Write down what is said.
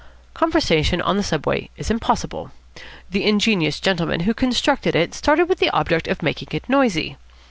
Conversation on the Subway is impossible. The ingenious gentlemen who constructed it started with the object of making it noisy.